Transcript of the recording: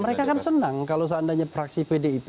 mereka kan senang kalau seandainya fraksi pdip